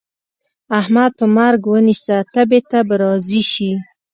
احمد په مرګ ونيسه؛ تبې ته به راضي شي.